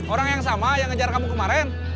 orang yang sama yang ngejar kamu kemarin